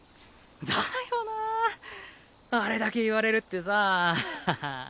だよなあれだけ言われるってさ。ははっ。